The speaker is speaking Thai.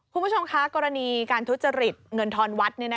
คุณผู้ชมคะกรณีการทุจริตเงินทอนวัด